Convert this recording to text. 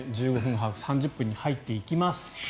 ハーフ３０分に入っていきます。